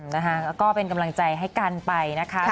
นะคะก็เป็นกำลังใจให้กันไปนะคะ